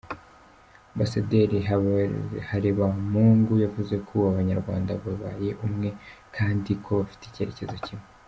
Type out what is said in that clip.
Ambasaderi Harebamungu yavuze ko ubu Abanyarwanda babaye umwe kandi ko bafite icyerekezo kimwe.